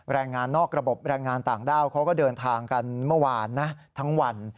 แรงงานนอกระบบแรงงานต่างด้าวเขาก็เดินทางกันเมื่อวานนะทั้งวัน